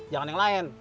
jangan yang lain